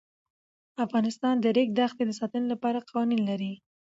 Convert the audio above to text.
افغانستان د د ریګ دښتې د ساتنې لپاره قوانین لري.